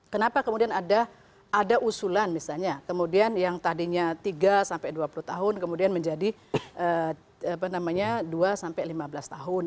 kenapa kemudian ada usulan misalnya kemudian yang tadinya tiga sampai dua puluh tahun kemudian menjadi dua sampai lima belas tahun